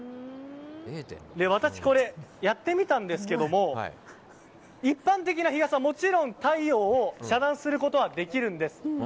私、やってみたんですけど一般的な日傘、もちろん太陽を遮断することはできるんです。